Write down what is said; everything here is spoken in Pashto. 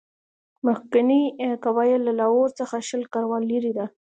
مخکنۍ قوه یې له لاهور څخه شل کروهه لیري ده.